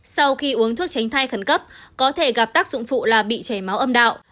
sau khi uống thuốc tránh thai khẩn cấp có thể gặp tác dụng phụ là bị chảy máu âm đạo